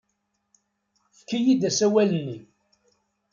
Efk-iyi-d asawal-nni.